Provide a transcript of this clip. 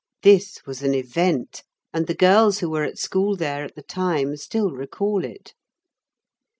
This was an event, and the girls who were at school there at the time still recall it.